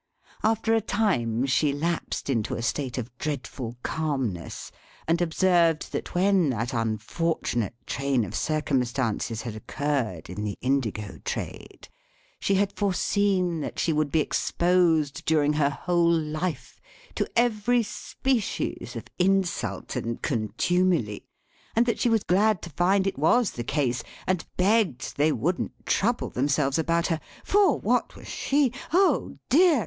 After a time, she lapsed into a state of dreadful calmness, and observed, that when that unfortunate train of circumstances had occurred in the Indigo Trade, she had foreseen that she would be exposed, during her whole life, to every species of insult and contumely; and that she was glad to find it was the case; and begged they wouldn't trouble themselves about her, for what was she? oh, dear!